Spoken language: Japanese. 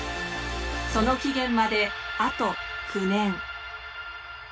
その期限まであと９年。